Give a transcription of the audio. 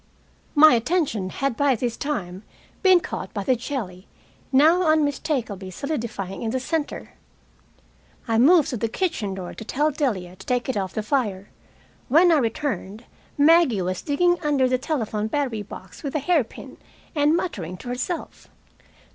My attention had by this time been caught by the jelly, now unmistakably solidifying in the center. I moved to the kitchen door to tell Delia to take it off the fire. When I returned, Maggie was digging under the telephone battery box with a hair pin and muttering to herself.